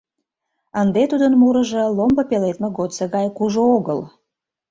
Ынде тудын мурыжо ломбо пеледме годсо гай кужу огыл.